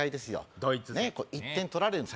ドイツ勢１点とられるんです